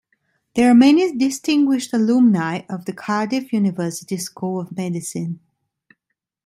There are many distinguished alumni of the Cardiff University School of Medicine.